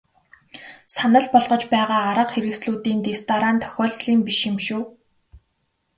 Санал болгож байгаа арга хэрэгслүүдийн дэс дараа нь тохиолдлын биш юм шүү.